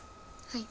はい。